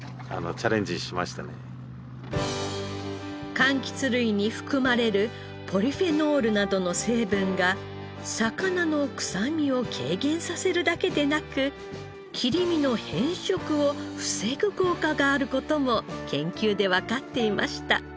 柑橘類に含まれるポリフェノールなどの成分が魚の臭みを軽減させるだけでなく切り身の変色を防ぐ効果がある事も研究でわかっていました。